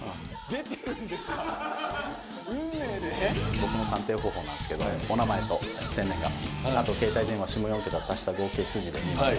僕の鑑定方法なんですけどお名前と生年月日あと携帯電話下４桁足した合計数字で見ます。